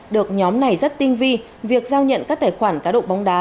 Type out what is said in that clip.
được nhóm này rất tinh vi việc giao nhận các tài khoản cá độ bóng đá